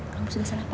kamu sudah salah paham